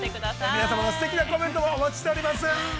◆皆様のすてきなコメントもお待ちしております。